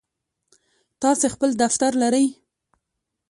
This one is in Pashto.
تاسی خپل دفتر لرئ؟